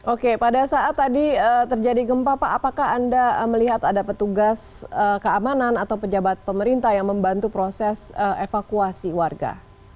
oke pada saat tadi terjadi gempa pak apakah anda melihat ada petugas keamanan atau pejabat pemerintah yang membantu proses evakuasi warga